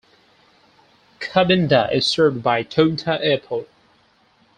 Kabinda is served by Tunta Airport.